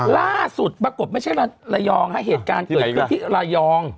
ล่าสุดปรากฏไม่ใช่ระยองฮะเหตุการณ์เกิดขึ้นที่ระยอง